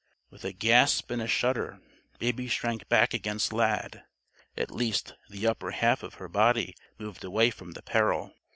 With a gasp and a shudder, Baby shrank back against Lad. At least, the upper half of her body moved away from the peril.